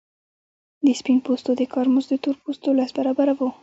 د سپین پوستو د کار مزد د تور پوستو لس برابره وو